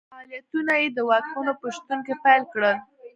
فعالیتونه یې د واکمنو په شتون کې پیل کړل.